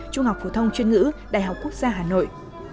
trung học phổ thông chuyên ngữ đại học quốc gia hà nội